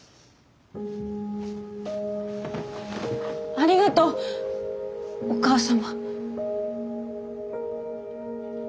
ありがとうお母様。